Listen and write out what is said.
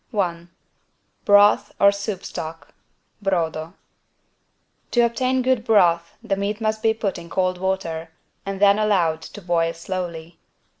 1 BROTH OR SOUP STOCK (Brodo) To obtain good broth the meat must be put in cold water, and then allowed to boil slowly.